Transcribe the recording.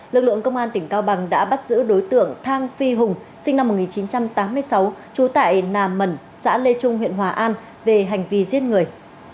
lực lượng công an tỉnh cao bằng đã bắt giữ đối tượng thang phi hùng sinh năm một nghìn chín trăm tám mươi sáu trú tại nà mẩn xã lê trung huyện hòa an về hành vi giết người